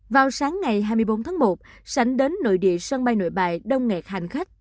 vào sáng ngày hai mươi bốn tháng một sảnh đến nội địa sân bay nội bài đông ngạt hành khách